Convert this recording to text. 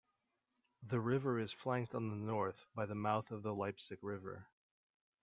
The river is flanked on the north by the mouth of the Leipsic River.